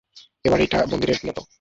এই বাড়িটা মন্দিরের মতো!